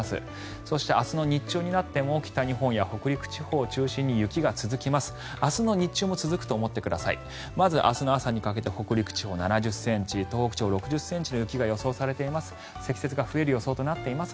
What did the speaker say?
そして、明日の日中になっても北日本、北陸地方を中心に雪が続きます。